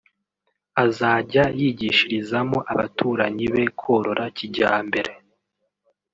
azajya yigishirizamo abaturanyi be korora kijyambere